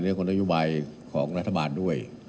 เรียกคนอนุยุบัยของรัฐบาลด้วย